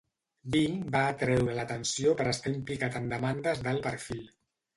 Bing va atreure l'atenció per estar implicat en demandes d'alt perfil.